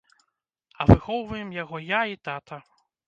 А выхоўваем яго я і тата.